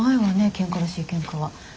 ケンカらしいケンカは。